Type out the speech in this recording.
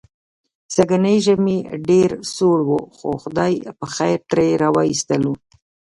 سږنی ژمی ډېر سوړ و، خو خدای پخېر ترې را و ایستلو.